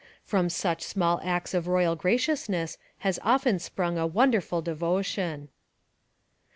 From such small acts of royal graciousness has often sprung a wonderful devotion.